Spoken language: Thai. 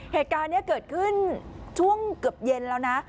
เหตุการณ์นี้เกิดขึ้นช่วงเกือบเย็นแล้วนะ